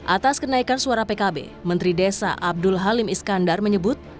atas kenaikan suara pkb menteri desa abdul halim iskandar menyebut